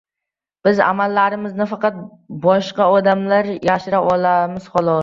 Biz amallarimizni faqat boshqa odamlardan yashira olamiz xolos.